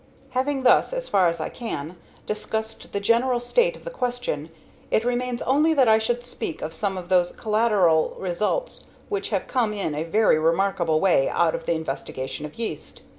Having thus, as far as I can, discussed the general state of the question, it remains only that I should speak of some of those collateral results which have come in a very remarkable way out of the investigation of yeast.